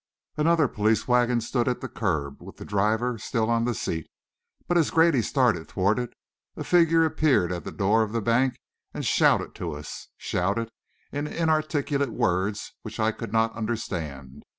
Another police wagon stood at the curb, with the driver still on the seat, but as Grady started toward it, a figure appeared at the door of the bank and shouted to us shouted in inarticulate words which I could not understand.